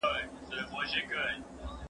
ته ولي درسونه اورې!.